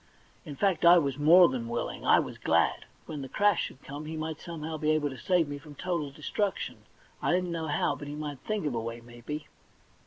In fact I was more than willing ; I was glad. When the crash should come, he might somehow be able to save me from total destruction ; I didn't know how, but he might think of a way, maybe.